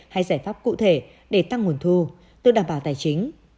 hay giải pháp cụ thể để tăng nguồn thu tự đảm bảo tài chính